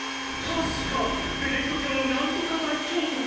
確かベネット教の何とか大教督！